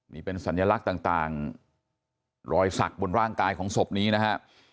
นี่เป็นสัญลักษณ์ต่างรอยสักบนร่างกายของศพนี้นะฮะ